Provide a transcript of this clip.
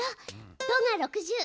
「ド」が６０。